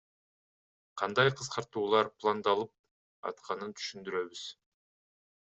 Кандай кыскартуулар пландалып атканын түшүндүрөбүз.